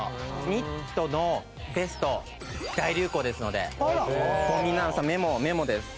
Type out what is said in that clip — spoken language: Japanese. ニットのベスト大流行ですので皆さんメモメモです。